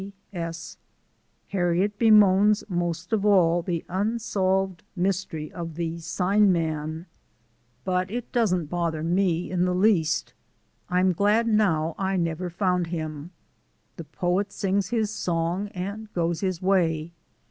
P. S. Harriet bemoans most of all the unsolved mystery of the sign man. But it doesn't bother me in the least. I'm glad now I never found him. The poet sings his song and goes his way.